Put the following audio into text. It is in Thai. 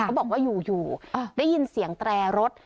บอกว่าอยู่ได้ยินเสียงแตรรถ